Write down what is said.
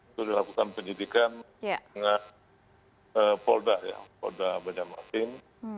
itu dilakukan penyidikan dengan polda banjarmasin